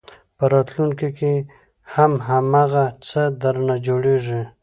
په راتلونکي کې هم هماغه څه درنه جوړېږي.